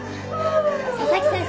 佐々木先生